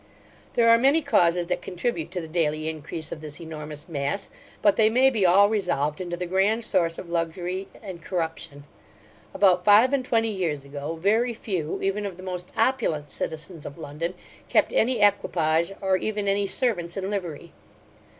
There are many causes that contribute to the daily increase of this enormous mass; but they may be all resolved into the grand source of luxury and corruption About five and twenty years ago, very few, even of the most opulent citizens of London, kept any equipage, or even any servants in livery.